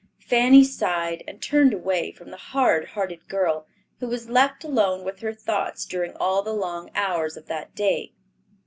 Fanny sighed and turned away from the hard hearted girl, who was left alone with her thoughts during all the long hours of that day.